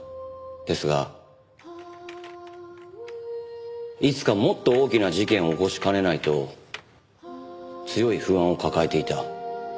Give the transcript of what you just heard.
ですがいつかもっと大きな事件を起こしかねないと強い不安を抱えていた。